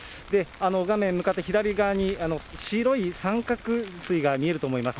画面向かって左側に、白い三角すいが見えると思います。